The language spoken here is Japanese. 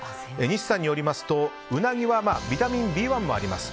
西さんによりますとウナギはビタミンＢ１もあります。